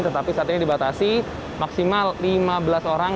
tetapi saat ini dibatasi maksimal lima belas orang